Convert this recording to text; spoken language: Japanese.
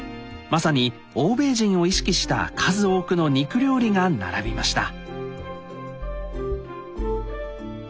まさに欧米人を意識した数多くの肉料理が並びました。